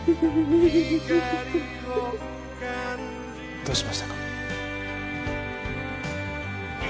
どうしましたか？